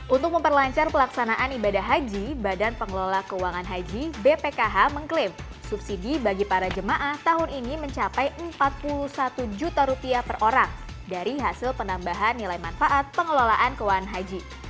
untuk memperlancar pelaksanaan ibadah haji badan pengelola keuangan haji bpkh mengklaim subsidi bagi para jemaah tahun ini mencapai empat puluh satu juta rupiah per orang dari hasil penambahan nilai manfaat pengelolaan keuangan haji